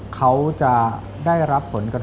เขาจะได้รับผลกระทบที่ไหนนะครับ